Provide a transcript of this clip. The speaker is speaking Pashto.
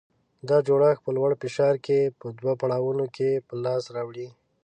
دا جوړښت په لوړ فشار کې په دوه پړاوونو کې په لاس راوړي.